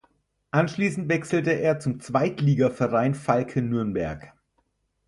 Anschließend wechselte er zum Zweitligaverein Falke Nürnberg.